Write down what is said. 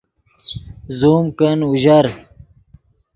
زوم کن اوژر